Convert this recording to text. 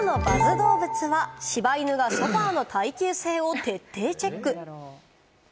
どうぶつは、柴犬がソファの耐久性を徹底チェック。